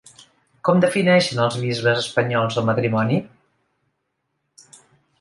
Com defineixen els bisbes espanyols el matrimoni?